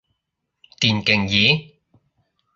電競椅